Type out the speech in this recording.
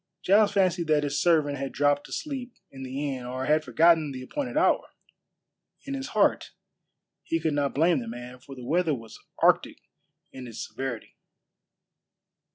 Giles fancied that his servant had dropped asleep in the inn or had forgotten the appointed hour. In his heart he could not blame the man, for the weather was arctic in its severity.